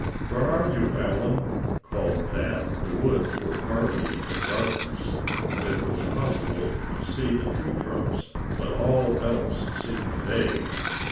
"Where are you, Allan?" called Thad. The woods were partly in darkness. It was possible to see the tree trunks, but all else seemed vague.